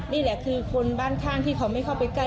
นี่แหละคือคนบ้านข้างที่เขาไม่เข้าไปใกล้